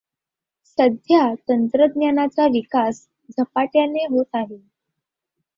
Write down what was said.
सध्या तंत्रज्ञानाचा विकास झपाट्याने होत आहे.